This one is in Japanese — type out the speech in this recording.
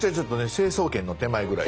成層圏の手前ぐらい。